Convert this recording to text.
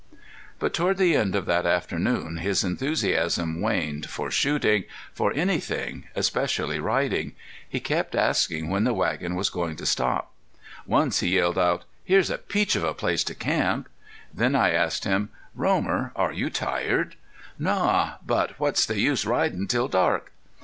But toward the end of that afternoon his enthusiasm waned for shooting, for anything, especially riding. He kept asking when the wagon was going to stop. Once he yelled out: "Here's a peach of a place to camp." Then I asked him: "Romer, are you tired?" "Naw! But what's the use ridin' till dark?"